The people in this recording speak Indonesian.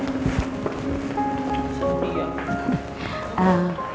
tidak bisa diam